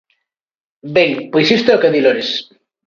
Ben, pois isto é o que di Lores.